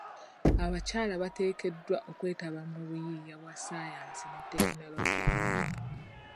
Abakyala bateekeddwa okwetaba mu buyiiya bwa sayansi ne tekinologiya .